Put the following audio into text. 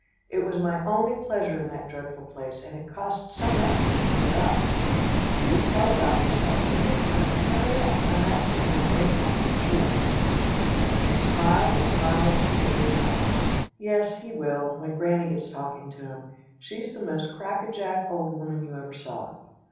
It was my only pleasure in that dreadful place, and it cost some effort to give it up." "Do tell me about yourself," I begged her, "and hurry up. Master won't wait long, I'm sure." She smiled the smile of superior knowledge. "Yes, he will, when Granny gets talking to him. She's the most crackajack old woman you ever saw."